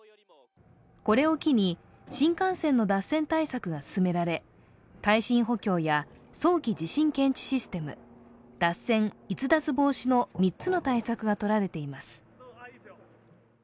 これを機に新幹線の脱線対策が進められ耐震補強や早期地震検知システム脱線・逸脱防止の３つの対策がとられています。